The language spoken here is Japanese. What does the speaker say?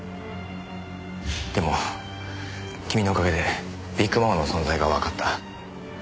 でも君のおかげでビッグママの存在がわかった。